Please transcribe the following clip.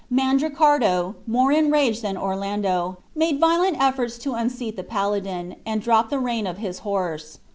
Mandricardo, more enraged than Orlando, made violent efforts to unseat the paladin, and dropped the rein of his horse.